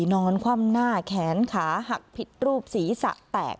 นอนคว่ำหน้าแขนขาหักผิดรูปศีรษะแตก